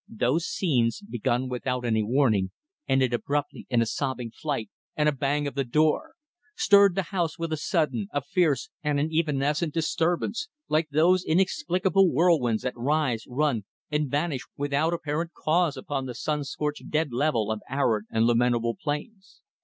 Those scenes, begun without any warning, ended abruptly in a sobbing flight and a bang of the door; stirred the house with a sudden, a fierce, and an evanescent disturbance; like those inexplicable whirlwinds that rise, run, and vanish without apparent cause upon the sun scorched dead level of arid and lamentable plains.